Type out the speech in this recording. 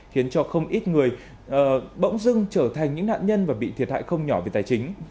khiến cho không ít người bỗng dưng trở thành những nạn nhân và bị thiệt hại không nhỏ về tài chính